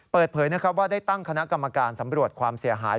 เปิดเผยนะครับว่าได้ตั้งคณะกรรมการสำรวจความเสียหาย